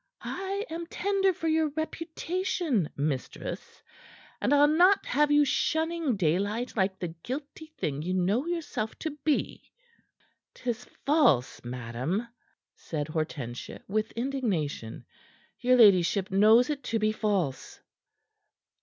I am tender for your reputation, mistress, and I'll not have you shunning daylight like the guilty thing ye know yourself to be." "'Tis false, madam," said Hortensia, with indignation. "Your ladyship knows it to be false."